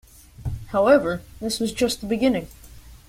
However, this was just the beginning.